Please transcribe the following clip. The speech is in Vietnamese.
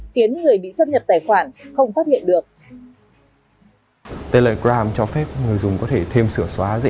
khiến người bị xâm nhập tài khoản không phát hiện được